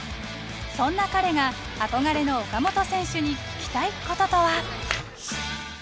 そんな彼が憧れの岡本選手に聞きたい事とは？